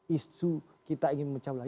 isu kita ingin memecah ulang